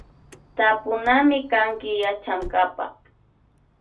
Tapunamikanki Yachankapak